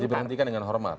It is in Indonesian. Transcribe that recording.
diberhentikan dengan hormat